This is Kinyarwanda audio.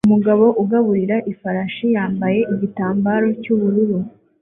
Umugabo ugaburira ifarashi yambaye igitambaro cyubururu